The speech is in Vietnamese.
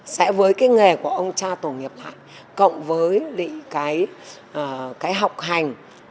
sẽ với cái nghề của ông cha tổ nghiệp lại cộng với cái học hành